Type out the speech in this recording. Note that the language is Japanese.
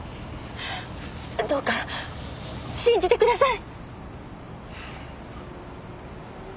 どうか信じてください！